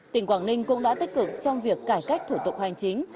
tỉnh quảng ninh cũng đã tích cực trong việc cải cách thủ tục hành chính